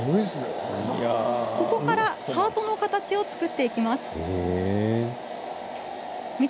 ここからハートの形を作っていきます。